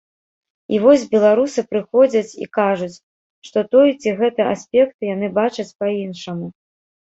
І вось беларусы прыходзяць і кажуць, што той ці гэты аспект яны бачаць па-іншаму.